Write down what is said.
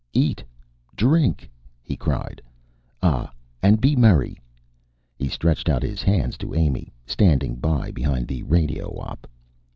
"Eat! Drink!" he cried. "Ah, and be merry!" He stretched out his hands to Amy, standing by behind the radio op.